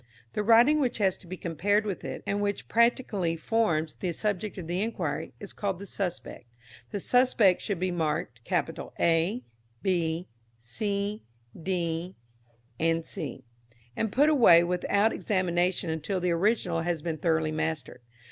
The writing which has to be compared with it, and which practically forms the subject of the enquiry, is called the Suspect. The Suspects should be marked A, B, C, D, &c., and put away without examination until the Original has been thoroughly mastered.